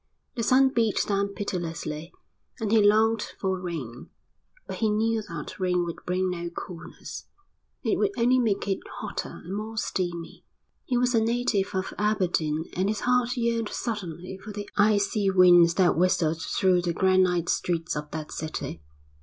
The sun beat down pitilessly, and he longed for rain; but he knew that rain would bring no coolness; it would only make it hotter and more steamy. He was a native of Aberdeen and his heart yearned suddenly for the icy winds that whistled through the granite streets of that city.